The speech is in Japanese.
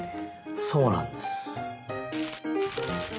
そうなんです。